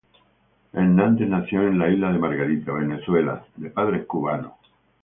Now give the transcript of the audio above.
Hernández nació en Isla de Margarita, Venezuela, de padres cubanos.